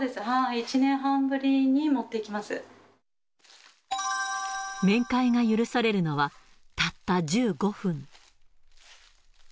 １年半ぶり面会が許されるのは、たった１５分。